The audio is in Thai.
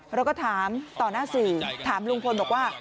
เราก็ถามต่อหน้าสื่อถามลุงพลบอกว่า